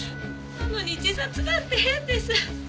なのに自殺なんて変です。